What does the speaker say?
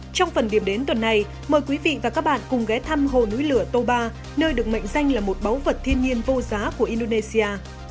trong phần điểm đến tuần này mời quý vị và các bạn cùng ghé thăm hồ núi lửa toba nơi được mệnh danh là một báu vật thiên nhiên vô giá của indonesia